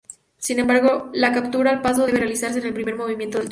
Sin embargo, la captura al paso debe realizarse en el primer movimiento del turno.